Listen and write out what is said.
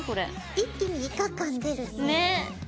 一気にイカ感出るね。ね！